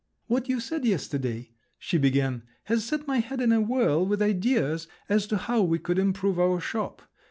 "What you said yesterday," she began, "has set my head in a whirl with ideas as to how we could improve our shop.